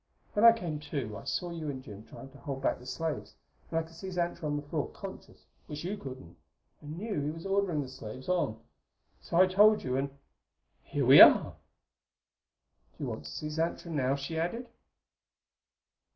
When I came to I saw you and Jim trying to hold back the slaves; and I could see Xantra on the floor, conscious which you couldn't and knew he was ordering the slaves on. So I told you, and here we are! "Do you want to see Xantra now?" she added.